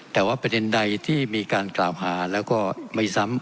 แต่ว่าประเด็นใดที่มีการกล่าวหาแล้วก็ไม่ซ้ำ